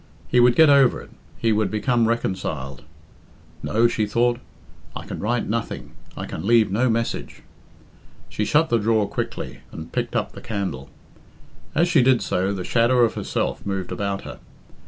He would get over it he would become reconciled. "No," she thought, "I can write nothing I can leave no message." She shut the drawer quickly, and picked up the candle. As she did so, the shadow of herself moved about her.